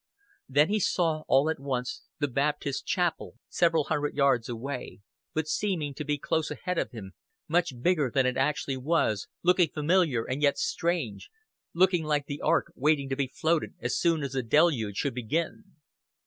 Thus he saw all at once the Baptist Chapel several hundred yards away, but seeming to be close ahead of him, much bigger than it actually was, looking familiar and yet strange looking like the ark waiting to be floated as soon as the deluge should begin.